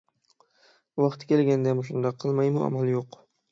ۋاقتى كەلگەندە مۇشۇنداق قىلمايمۇ ئامال يوق.